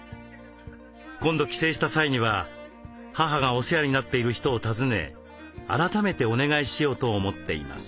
今度帰省した際には母がお世話になっている人を訪ね改めてお願いしようと思っています。